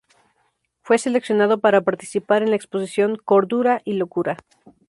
Fue seleccionado para participar en la exposición "Cordura y locura.